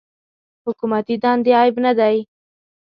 حکومتي دندې عیب نه دی.